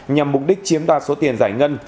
nhằm mục đích chiếm đoạt số tiền giải ngân